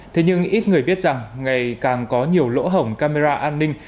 thế nhưng ít người biết rằng ngày càng có nhiều lỗ hổng camera an ninh